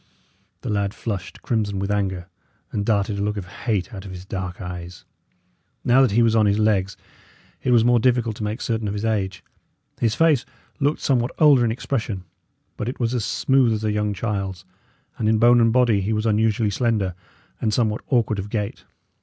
The lad flushed crimson with anger, and darted a look of hate out of his dark eyes. Now that he was on his legs, it was more difficult to make certain of his age. His face looked somewhat older in expression, but it was as smooth as a young child's; and in bone and body he was unusually slender, and somewhat awkward of gait.